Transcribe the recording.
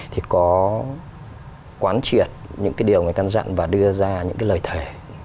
thì có quán triệt những cái điều người căn dặn và đưa ra những cái lời thề